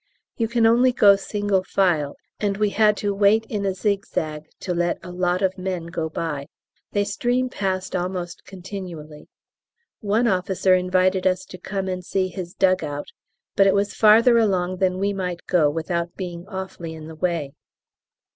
You can only go single file, and we had to wait in a zigzag to let a lot of men go by they stream past almost continually. One officer invited us to come and see his dug out, but it was farther along than we might go without being awfully in the way.